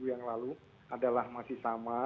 tapi yang lalu minggu yang lalu adalah masih sama